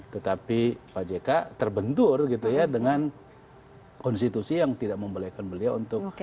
tetapi pak jk terbendur dengan konstitusi yang tidak membolehkan beliau untuk